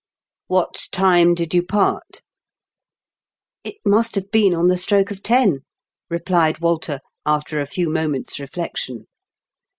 " What time did you part ?"" It must have been on the stroke of ten," replied Walter, after a few moments' reflection.